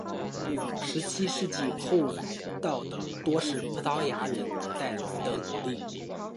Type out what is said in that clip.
十七世纪后来到的多是葡萄牙人带来的奴隶。